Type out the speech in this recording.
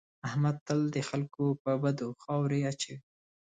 احمد تل د خلکو په بدو خاورې اچوي.